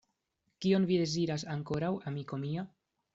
Kion vi deziras ankoraŭ, amiko mia?